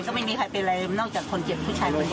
ก็ไม่มีใครเป็นไรนอกจากคนเจ็บผู้ชาย